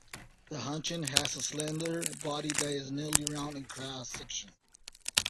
The huchen has a slender body that is nearly round in cross-section.